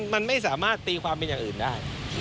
มันไม่สามารถตีความเป็นอย่างอื่นได้